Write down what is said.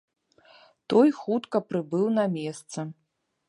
Той хутка прыбыў на месца.